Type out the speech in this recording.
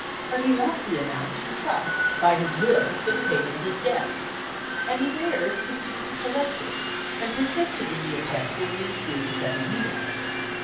But he left the amount in trust by his will for the payment of his debts, and his heirs proceeded to collect it, and persisted in the attempt during the ensuing seven years.